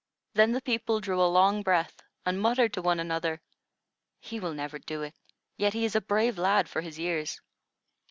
Then the people drew a long breath, and muttered to one another: "He will never do it, yet he is a brave lad for his years."